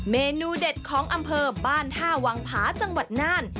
เมนูเด็ดของอำเภอบ้านท่าวังผาจังหวัดน่าน